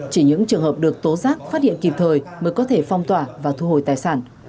chỉ những trường hợp được tố giác phát hiện kịp thời mới có thể phong tỏa và thu hồi tài sản